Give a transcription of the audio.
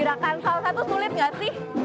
tapi bahkan salsa itu sulit gak sih